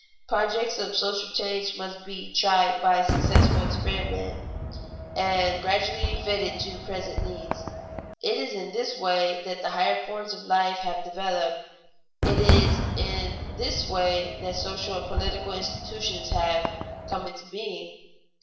Projects of social change must be tried by successful experiment, and gradually fitted to present needs. It is in this way that the higher forms of life have developed; it is in this way that social and political institutions have come into being.